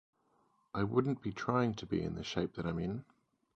I wouldn't be trying to be in the shape that I'm in.